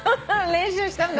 練習したんだ。